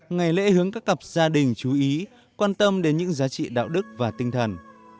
ngày lễ hướng các cặp gia đình chú ý quan tâm đến những giá trị đạo đức và tinh thần